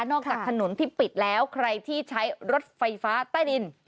จากถนนที่ปิดแล้วใครที่ใช้รถไฟฟ้าใต้ดิน